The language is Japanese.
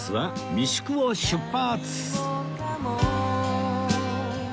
三宿を出て。